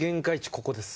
ここです